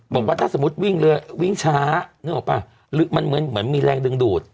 บอกว่าถ้าสมมุติวิ่งเรือวิ่งช้านึกออกป่ะหรือมันเหมือนมีแรงดึงดูด